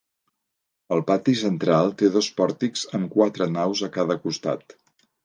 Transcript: El pati central té dos pòrtics amb quatre naus a cada costat.